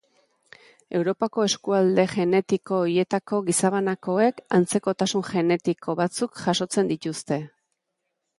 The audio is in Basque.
Europako eskualde genetiko horietako gizabanakoek antzekotasun genetiko batzuk jasotzen dituzte.